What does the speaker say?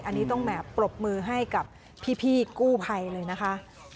อันนี้ต้องแบบปรบมือให้กับพี่กู้ภัยเลยนะคะ